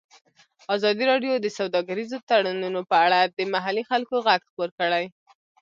ازادي راډیو د سوداګریز تړونونه په اړه د محلي خلکو غږ خپور کړی.